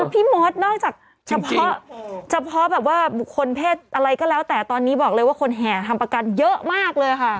พี่มดนอกจากเฉพาะเฉพาะแบบว่าบุคคลเพศอะไรก็แล้วแต่ตอนนี้บอกเลยว่าคนแห่ทำประกันเยอะมากเลยค่ะ